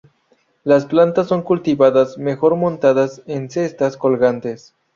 Las plantas son cultivadas mejor montadas en cestas colgantes.